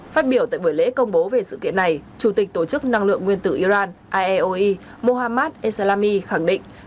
phát biểu tại buổi lễ công bố về sự kiện này chủ tịch tổ chức năng lượng nguyên tử iran iaoe mohammad eslami khẳng định